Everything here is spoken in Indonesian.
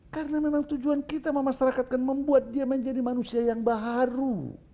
karena memang tujuan kita memasrakatkan membuat dia menjadi manusia yang baru